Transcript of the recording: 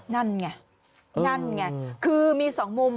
นั่นไงคือมี๒มุม